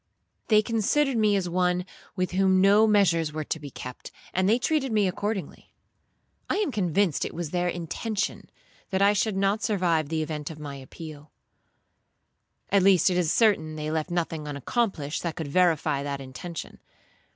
They considered me as one with whom no measures were to be kept, and they treated me accordingly. I am convinced it was their intention that I should not survive the event of my appeal; at least it is certain they left nothing unaccomplished that could verify that intention.